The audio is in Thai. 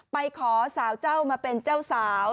ไปขอสาวเจ้ามาเป็นเจ้าสาว